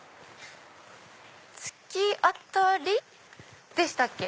突き当たりでしたっけ？